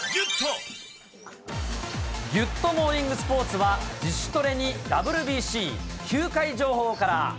ギュッとモーニングスポーツは、自主トレにＷＢＣ、球界情報から。